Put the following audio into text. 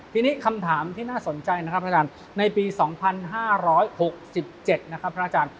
ทีนี้คำถามที่น่าสนใจนะครับอาจารย์ในปี๒๕๖๗นะครับพระอาจารย์